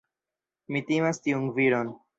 Mi timas tiun viron.